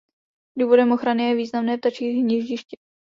Důvodem ochrany je významné ptačí hnízdiště.